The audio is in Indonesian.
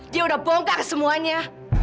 dia udah bongkar semuanya